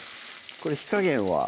これ火加減は？